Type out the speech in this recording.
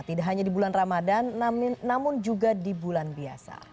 tidak hanya di bulan ramadan namun juga di bulan biasa